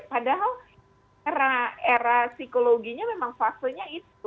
padahal era psikologinya memang fasenya itu